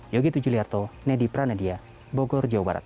yogi tujuliarto nedi pranedia bogor jawa barat